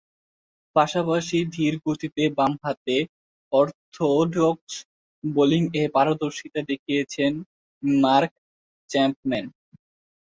পাশাপাশি ধীরগতিতে বামহাতে অর্থোডক্স বোলিংয়ে পারদর্শীতা দেখিয়েছেন মার্ক চ্যাপম্যান।